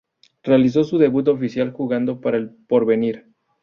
Realizó su debut oficial jugando para El Porvenir.